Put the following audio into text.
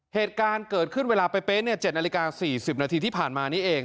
เหตุการณ์เกิดขึ้นเวลาเป๊ะ๗นาฬิกา๔๐นาทีที่ผ่านมานี้เอง